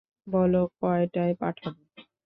বলো কয়টায় পাঠাব?